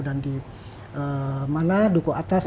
dan di mana duku atas